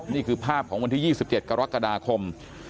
นี่คือภาพของวันที่๒๗กรกฎาคม